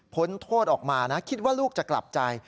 โทษออกมานะคิดว่าลูกจะกลับใจ